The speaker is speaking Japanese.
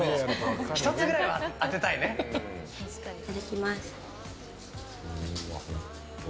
いただきます。